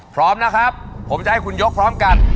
พร้อมนะครับผมจะให้คุณยกพร้อมกัน